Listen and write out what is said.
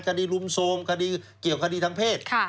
คดีรุมโทรมคดีเกี่ยวคดีทางเพศ